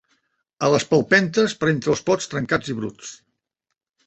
A les palpentes per entre els pots trencats i bruts